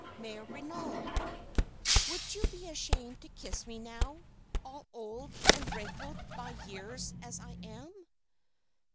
"MÈRE RENAUD. "Would you be ashamed to kiss me now, all old and wrinkled by years as I am?